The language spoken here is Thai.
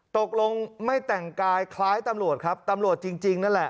ตกลงไม่แต่งกายคล้ายตำรวจครับตำรวจจริงนั่นแหละ